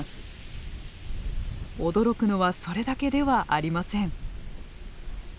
驚くのはそれだけではありません。